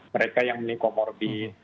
mereka yang menikomorbid